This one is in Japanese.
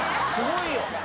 すごいよ！